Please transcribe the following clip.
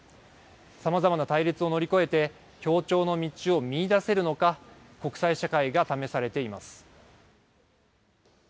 さまざまな対立を乗り越えて、協調の道を見いだせるのか、国際社会が試されています。